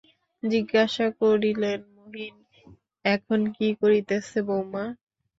জিজ্ঞাসা করিলেন, মহিন এখন কী করিতেছে বউমা।